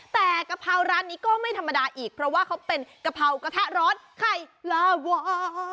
แต่กะเพราร้านนี้ก็ไม่ธรรมดาอีกเพราะว่าเขาเป็นกะเพรากระทะร้อนไข่ปลาวอร์